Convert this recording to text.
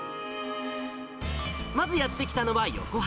まずやって来たのは横浜。